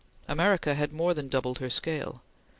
America had more than doubled her scale.